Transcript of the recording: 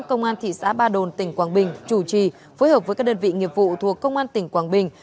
công an thị xã ba đồn tỉnh quảng bình chủ trì phối hợp với các đơn vị nghiệp vụ thuộc công an tỉnh quảng bình